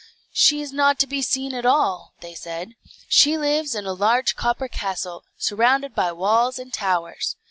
"She is not to be seen at all," they said; "she lives in a large copper castle, surrounded by walls and towers.